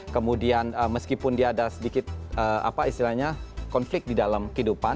kemudian meskipun dia ada sedikit apa istilahnya konflik di dalam kehidupan